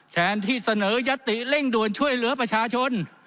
แทนที่เสนอยัตติเร่งด่วนช่วยเหลือประชาชน